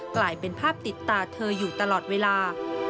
กลายเป็นภาพติดตาเธออยู่ตลอดเวลา